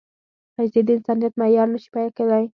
پېسې د انسانیت معیار نه شي کېدای.